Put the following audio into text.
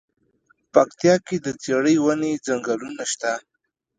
پکتيا کی د څیړۍ ونی ځنګلونه شته دی.